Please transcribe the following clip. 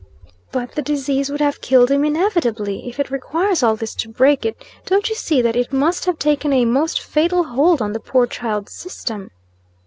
"But the disease would have killed him inevitably. If it requires all this to break it, don't you see that it must have taken a most fatal hold on the poor child's system."